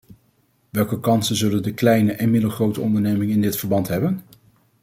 Welke kansen zullen de kleine en middelgrote ondernemingen in dit verband hebben?